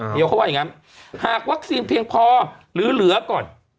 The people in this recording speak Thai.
เดี๋ยวเขาว่าอย่างนั้นหากวัคซีนเพียงพอหรือเหลือก่อน